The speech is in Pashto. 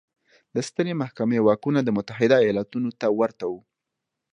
د سترې محکمې واکونه د متحده ایالتونو ته ورته وو.